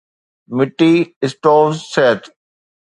مٽي stoves صحت